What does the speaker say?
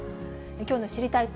きょうの知りたいッ！